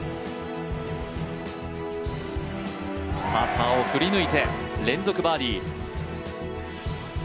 パターを振り抜いて連続バーディー。